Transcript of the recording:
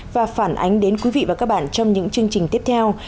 và phản ánh đến quý vị và các bạn trong những chương trình tiếp theo